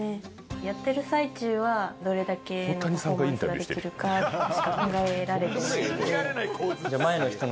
やってる最中は、どれだけパフォーマンスできるかしか考えられてないので。